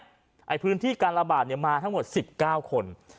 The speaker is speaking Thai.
ในพื้นที่การระบาดมาทั้งหมด๑๙คน